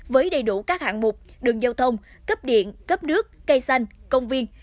với đầy đủ các hạng mục đường giao thông cấp điện cấp nước cây xanh công viên